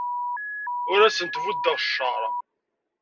Ur asen-buddeɣ cceṛ.